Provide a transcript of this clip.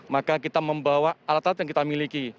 maka kita membawa alat alat yang kita miliki